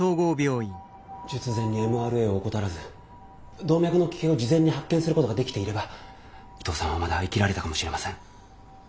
術前にＭＲＡを怠らず動脈の奇形を事前に発見することができていれば伊藤さんはまだ生きられたかもしれません。